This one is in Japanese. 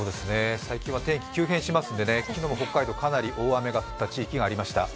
最近は天気が急変しますので、昨日も北海道、かなり大雨が降った地域がありました。